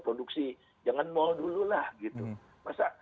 produksi jangan mal dululah gitu masa